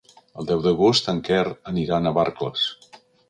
El deu d'agost en Quer anirà a Navarcles.